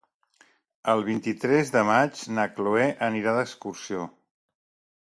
El vint-i-tres de maig na Chloé anirà d'excursió.